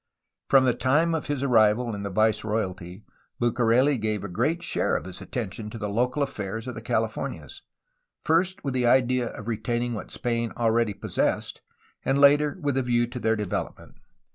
From the time of his arrival in the viceroyalty Bucareli gave a great share of his attention to the local affairs of the Cahfornias, first with the idea of retaining what Spain already possessed, and later with a view to their development.